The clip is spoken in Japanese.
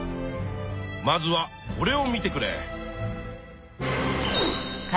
まずはこれを見てくれ。